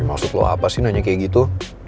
maksud lo apa sih nanya kayak gitu